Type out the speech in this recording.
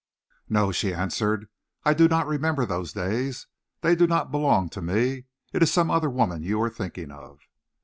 "No," she answered, "I do not remember those days. They do not belong to me. It is some other woman you are thinking of."